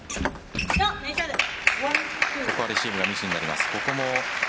ここはレシーブがミスになります。